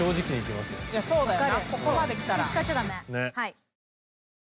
ここまできたら。